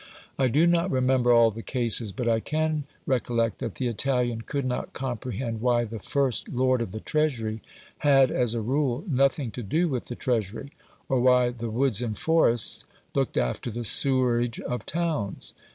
I do not remember all the cases, but I can recollect that the Italian could not comprehend why the First "Lord of the Treasury" had as a rule nothing to do with the Treasury, or why the "Woods and Forests" looked after the sewerage of towns.